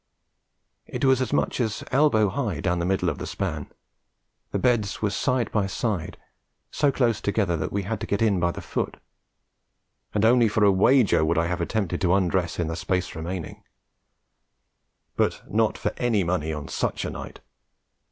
It was as much as elbow high down the middle of the span; the beds were side by side, so close together that we had to get in by the foot; and only for a wager would I have attempted to undress in the space remaining. But not for any money on such a night!